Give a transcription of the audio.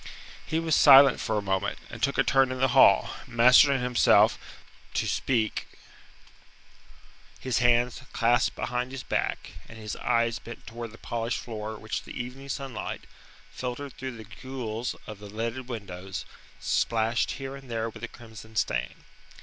He was silent for a moment, and took a turn in the hall mastering himself to speak his hands clasped behind his back, and his eyes bent towards the polished floor which the evening sunlight, filtered through the gules of the leaded windows, splashed here and there with a crimson stain.